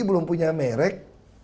belum punya merek